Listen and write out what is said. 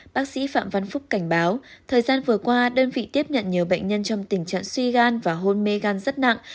bác sĩ phạm văn phúc cảnh báo thời gian vừa qua đơn vị tiếp nhận nhiều bệnh nhân trong tình trạng suy gan và hôn mê gan rất nặng